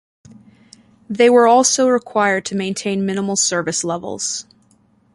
They were also required to maintain minimal service levels.